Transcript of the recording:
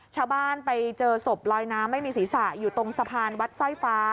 ชาวบ้านไปเจอศพลอยน้ำไม่มีศีรษะอยู่ตรงสะพานวัดสร้อยฟ้า